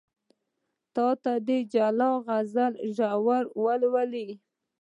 ته د جلان غزل ژور ولوله